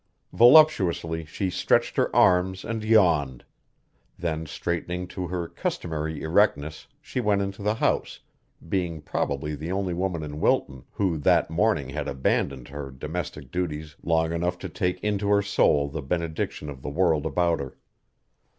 Voluptuously she stretched her arms and yawned; then straightening to her customary erectness she went into the house, being probably the only woman in Wilton who that morning had abandoned her domestic duties long enough to take into her soul the benediction of the world about her.